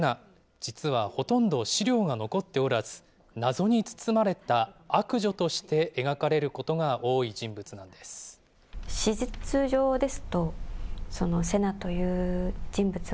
実はほとんど資料が残っておらず、謎に包まれた悪女として描かれることが多い人物なんです。